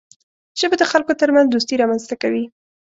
ژبه د خلکو ترمنځ دوستي رامنځته کوي